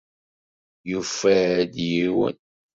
Yufa-d yiwen.